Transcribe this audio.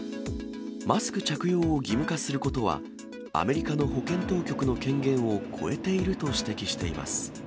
マスク着用を義務化することは、アメリカの保健当局の権限を越えていると指摘しています。